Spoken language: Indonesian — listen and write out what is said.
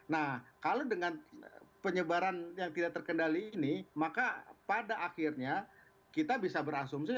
nah kalau dengan penyebaran yang tidak terkendali ini maka pada akhirnya kita bisa berasumsi